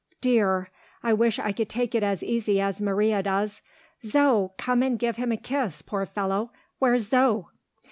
dear! I wish I could take it as easy as Maria does. Zo! come and give him a kiss, poor fellow. Where's Zo?"